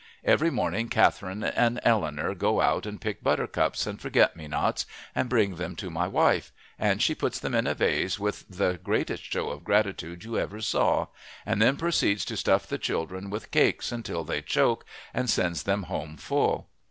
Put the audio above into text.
Every morning Catherine and Eleanor go out and pick buttercups and forget me nots, and bring them to my wife; and she puts them in a vase with the greatest show of gratitude you ever saw, and then proceeds to stuff the children with cakes until they choke, and sends them home full.